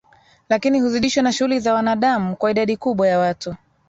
lakini huzidishwa na shughuli za wanadamuKwa idadi kubwa ya watu